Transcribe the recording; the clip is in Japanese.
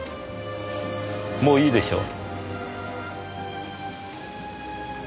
もういいでしょう。